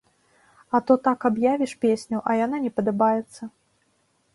А то так аб'явіш песню, а яна не падабаецца.